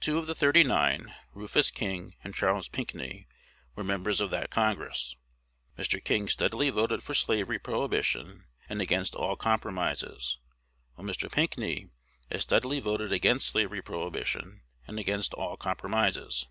Two of the "thirty nine" Rufus King and Charles Pinckney were members of that Congress. Mr. King steadily voted for slavery prohibition and against all compromises; while Mr. Pinckney as steadily voted against slavery prohibition and against all compromises.